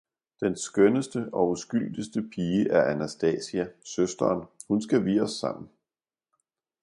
den skønneste og uskyldigste pige er Anastasia, søsteren, hun skal vie os sammen!